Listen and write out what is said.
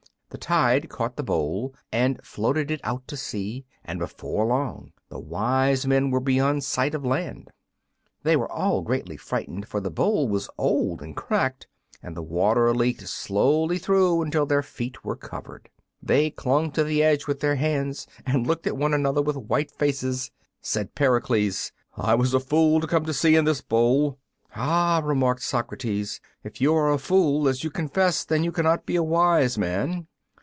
The tide caught the bowl and floated it out to sea, and before long the wise men were beyond sight of land. They were all greatly frightened, for the bowl was old and cracked, and the water leaked slowly through until their feet were covered. They clung to the edge with their hands and looked at one another with white faces. Said Pericles, "I was a fool to come to sea in this bowl." "Ah," remarked Socrates, "if you are a fool, as you confess, then you cannot be a wise man."